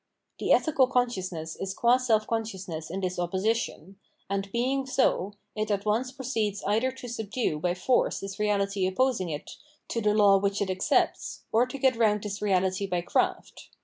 The ethical con sciousness is gud self consciousness in this opposition, and being so, it at once proceeds either to subdue by force this reahty opposing it to the law which it accepts, or to get round this reality by craft.